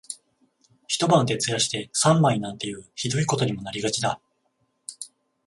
一晩徹夜して三枚なんていう酷いことにもなりがちだ